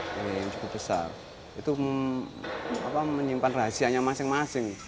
nilai yang cukup besar itu menyimpan rahasianya masing masing